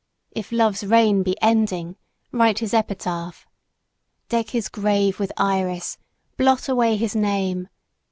If Love's reign be ending write his epitaph! Deck his grave with iris; blot away his name.